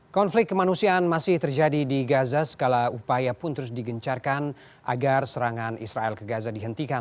konflik kemanusiaan masih terjadi di gaza segala upaya pun terus digencarkan agar serangan israel ke gaza dihentikan